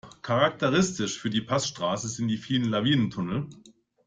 Charakteristisch für die Passstraße sind die vielen Lawinentunnel.